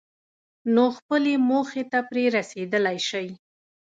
نو خپلې موخې ته پرې رسېدلای شئ.